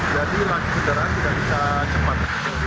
jadi langsung kendaraan tidak bisa cepat